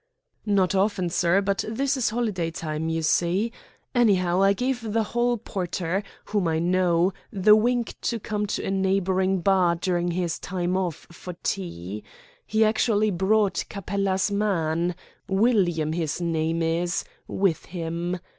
"Not often, sir, but this is holiday time, you see. Anyhow, I gave the hall porter, whom I know, the wink to come to a neighbouring bar during his time off for tea. He actually brought Capella's man William his name is with him.